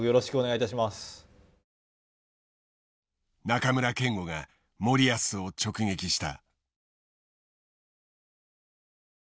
中村憲剛が森保を直撃した。